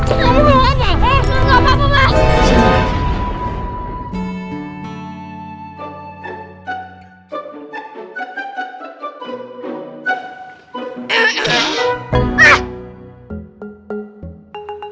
aku mau jalan ya